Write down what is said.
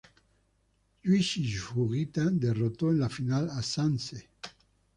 Yūichi Sugita derrotó en la final a Zhang Ze.